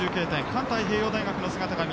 環太平洋大学の姿。